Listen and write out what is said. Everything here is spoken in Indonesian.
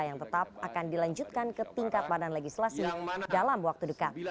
yang tetap akan dilanjutkan ke tingkat badan legislasi dalam waktu dekat